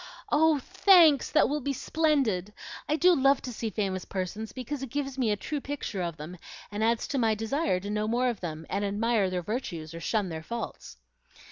"Oh, thanks! that will be splendid. I do love to see famous persons, because it gives me a true picture of them, and adds to my desire to know more of them, and admire their virtues or shun their faults."